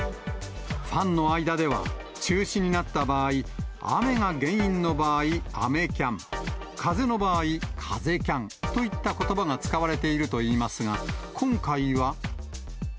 ファンの間では、中止になった場合、雨が原因の場合、雨キャン、風の場合、風キャンといったことばが使われているといいますが、今回は。